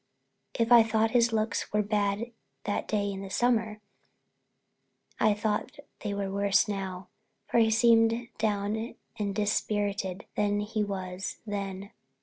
If I thought his looks were bad that day in the summer I thought they were worse now, for he seemed more down and dispirited than he was then.